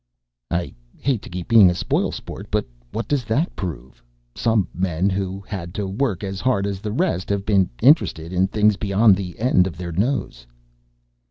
"I hate to keep being a spoil sport, but what does that prove? Some men who had to work as hard as the rest have been interested in things beyond the end of their nose."